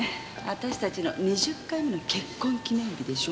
私たちの２０回目の結婚記念日でしょ。